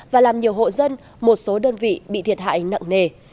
và làm nhiều hộ dân một số đơn vị bị thiệt hại nặng nề